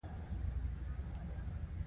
آیا عضوي درمل پخپله جوړولی شم؟